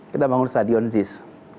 kita bangun stadion ziz